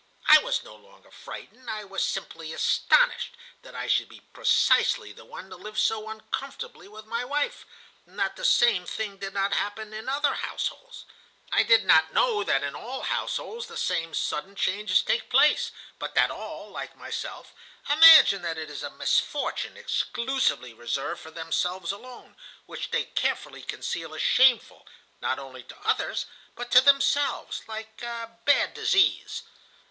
I was no longer frightened, I was simply astonished that I should be precisely the one to live so uncomfortably with my wife, and that the same thing did not happen in other households. I did not know that in all households the same sudden changes take place, but that all, like myself, imagine that it is a misfortune exclusively reserved for themselves alone, which they carefully conceal as shameful, not only to others, but to themselves, like a bad disease.